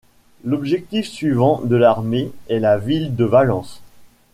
L'objectif suivant de l'armée est la ville de Valence.